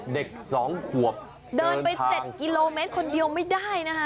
เด็ก๒ขวบเดินไป๗กิโลเมตรคนเดียวไม่ได้นะคะ